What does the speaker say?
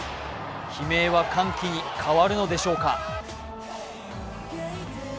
悲鳴は歓喜に変わるのでしょうか。